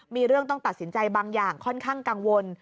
มีเรื่องต้องตัดสินใจบางอย่างค่อนข้างกังวล